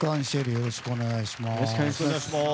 よろしくお願いします。